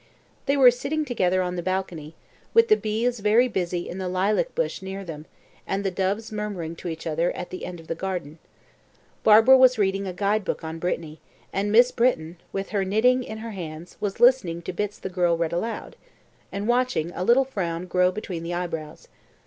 They were sitting together on the balcony, with the bees very busy in the lilac bush near them, and the doves murmuring to each other at the end of the garden. Barbara was reading a guide book on Brittany, and Miss Britton, with her knitting in her hands, was listening to bits the girl read aloud, and watching a little frown grow between the eyebrows.